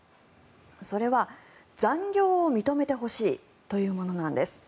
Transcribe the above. それは、残業を認めてほしいというものなんです。